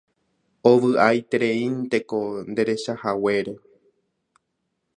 Ovy'aitereínteko nderechahaguére